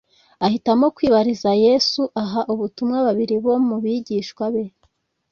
Ahitamo kwibariza Yesu. Aha ubutumwa babiri bo mu bigishwa be